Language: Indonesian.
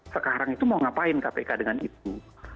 sekarang itu mau ngapain kpk dengan itu